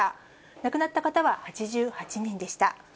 亡くなった方は８８人でした。